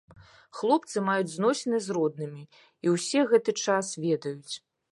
Хлопцы маюць зносіны з роднымі, і ўсе гэты час ведаюць.